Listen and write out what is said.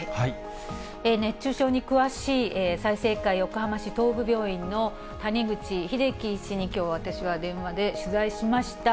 熱中症に詳しい済生会横浜市東部病院の、谷口英喜医師にきょう、私は電話で取材しました。